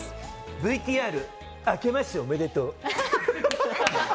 ＶＴＲ、あけましておめでとう。